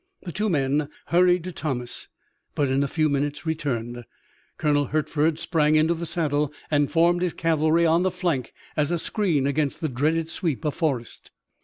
The two men hurried to Thomas, but in a few minutes returned. Colonel Hertford sprang into the saddle and formed his cavalry on the flank as a screen against the dreaded sweep of Forrest.